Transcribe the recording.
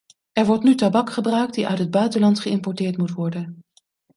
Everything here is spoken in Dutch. Er wordt nu tabak gebruikt die uit het buitenland geïmporteerd moet worden.